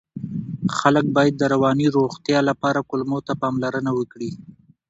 خلک باید د رواني روغتیا لپاره کولمو ته پاملرنه وکړي.